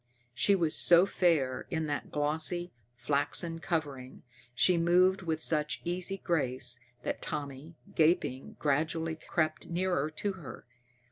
She was so fair, in that flossy, flaxen covering, she moved with such easy grace, that Tommy, gaping, gradually crept nearer to her.